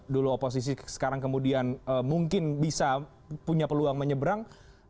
dulu oposisi sekarang kemudian mungkin bisa punya peluang menyeberang